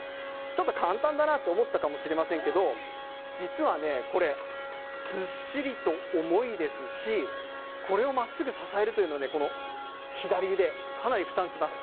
ちょっと簡単だなと思ったかもしれませんけど、実はね、これ、ずっしりと重いですし、これをまっすぐ支えるというのはね、この左腕、かなり負担きます。